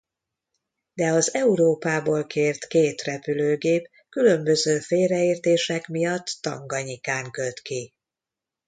De az Európából kért két repülőgép különböző félreértések miatt Tanganyikán köt ki.